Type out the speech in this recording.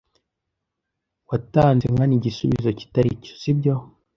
Watanze nkana igisubizo kitari cyo, sibyo?